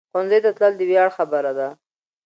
ښوونځی ته تلل د ویاړ خبره ده